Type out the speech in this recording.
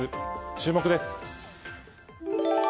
注目です。